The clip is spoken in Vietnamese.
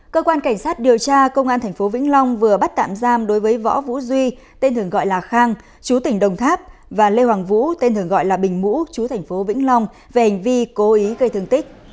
cơ quan cảnh sát điều tra công an tp vĩnh long vừa bắt tạm giam đối với võ vũ duy tên thường gọi là khang chú tỉnh đồng tháp và lê hoàng vũ tên thường gọi là bình mũ chú thành phố vĩnh long về hành vi cố ý gây thương tích